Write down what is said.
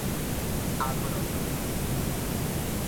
-Agora o saberá!